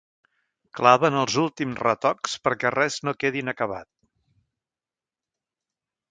Claven els últims retocs perquè res no quedi inacabat.